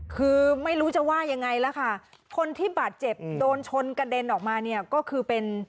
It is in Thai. คือไม่รู้จะว่ายังไงแล้วค่ะคนที่บาดเจ็บโดนชนกระเด็นออกมาเนี่ยก็คือเป็น